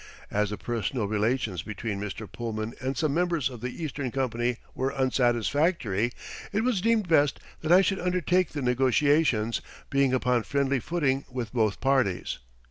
As the personal relations between Mr. Pullman and some members of the Eastern company were unsatisfactory, it was deemed best that I should undertake the negotiations, being upon friendly footing with both parties.